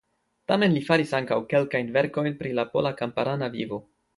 Tamen li faris ankaŭ kelkajn verkojn pri la pola kamparana vivo.